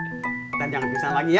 kita jangan bisa lagi ya